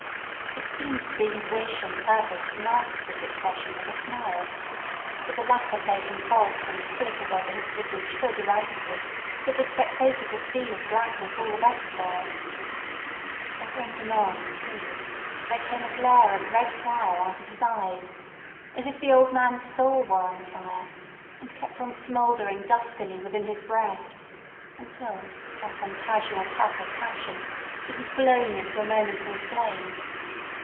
It seemed to be his wish and purpose to mask this expression with a smile, but the latter played him false, and flickered over his visage so derisively that the spectator could see his blackness all the better for it. Ever and anon, too, there came a glare of red light out of his eyes, as if the old man's soul were on fire and kept on smouldering duskily within his breast, until by some casual puff of passion it was blown into a momentary flame.